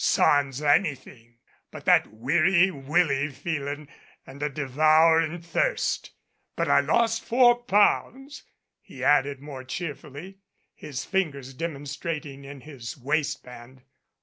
Sans anything, but that Weary Willie feelin' and a devourin' thirst. But I lost four pounds," he added more cheerfully his fingers demonstrating in his waistband.